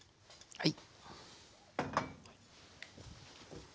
はい。